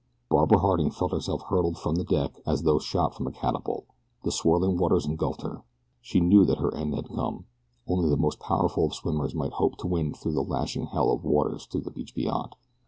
Barbara Harding felt herself hurtled from the deck as though shot from a catapult. The swirling waters engulfed her. She knew that her end had come, only the most powerful of swimmers might hope to win through that lashing hell of waters to the beach beyond.